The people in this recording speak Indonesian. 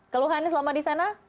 keluhan selama disana